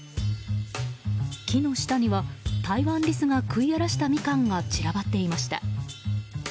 木の下にはタイワンリスが食い荒らしたみかんが散らばっていました。